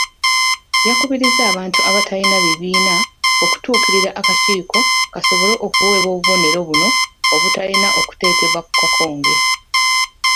Yakubirizza abantu abatalina bibiina okutuukirira akakiiko kasobole okuweebwa obubonero buno obulina okuteekebwa ku kakonge.